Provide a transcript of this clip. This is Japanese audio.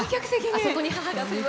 あそこに母が。